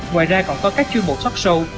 ngoài ra còn có các chuyên mục talk show